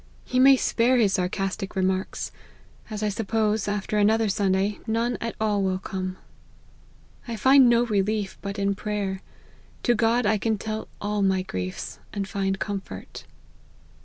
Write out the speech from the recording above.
He may spare his sarcastic remarks ; as I suppose, after another Sun day, none at all will come. I find no relief but in prayer : to God I can tell all my griefs, ami find comfort."